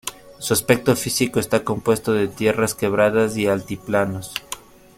Su aspecto físico está compuesto de tierras quebradas y altiplanos.